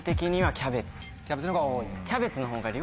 キャベツの方が。